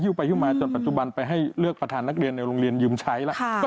ไปฮิวมาจนปัจจุบันไปให้เลือกประธานนักเรียนในโรงเรียนยืมใช้แล้ว